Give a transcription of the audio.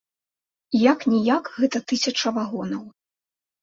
Як-ніяк, гэта тысяча вагонаў.